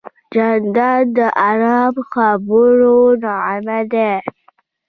جانداد د ارام خبرو نغمه ده.